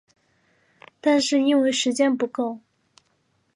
但是因为时间不够